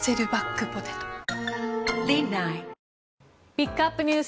ピックアップＮＥＷＳ